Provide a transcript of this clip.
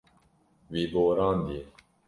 Wî borandiye.